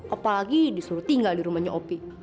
apalagi disuruh tinggal dirumahnya opi